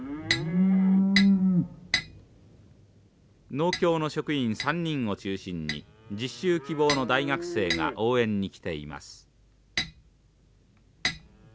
農協の職員３人を中心に実習希望の大学生が応援に来ています。